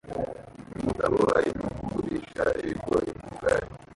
Umugabo arimo kugurisha ibigori mu igare